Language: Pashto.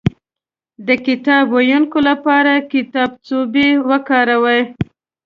د کتاب ويونکي لپاره کتابڅوبی وکاروئ